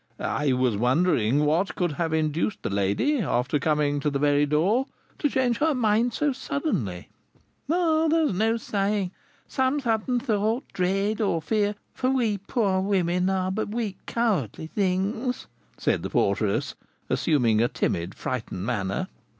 "I was wondering what could have induced the lady, after coming to the very door, to change her mind so suddenly." "There is no saying; some sudden thought, dread or fear, for we poor women are but weak, cowardly things," said the porteress, assuming a timid, frightened manner.